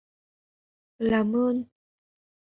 làm ơn